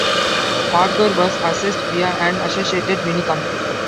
Hardware was accessed via an associated minicomputer.